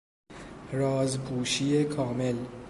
راز پوشی کامل